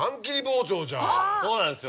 そうなんですよ。